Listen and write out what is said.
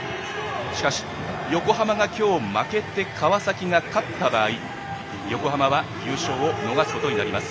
しかし、横浜が今日負けて川崎が勝った場合、横浜は優勝を逃すことになります。